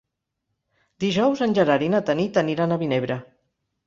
Dijous en Gerard i na Tanit aniran a Vinebre.